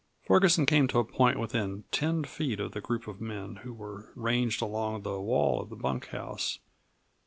Ferguson came to a point within ten feet of the group of men, who were ranged along the wall of the bunkhouse.